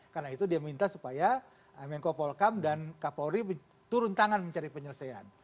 karena itu dia minta supaya menko polkam dan kapolri turun tangan mencari penyelesaian